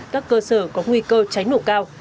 một trăm linh các cơ sở có nguy cơ cháy nổ cao